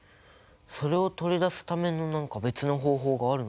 それを取り出すための何か別の方法があるのかなあ？